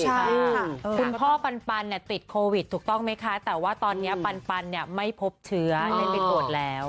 คุณพ่อปันติดโควิดถูกต้องไหมคะแต่ว่าตอนนี้ปันเนี่ยไม่พบเชื้อได้ไปตรวจแล้ว